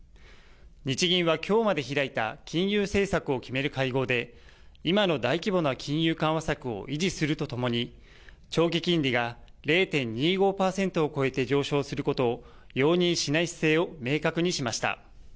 日銀はきょうまで開いた金融政策を決める会合で、今の大規模な金融緩和策を維持するとともに、長期金利が０．２５％を超えて上昇することを容認しない姿勢を明確にしました。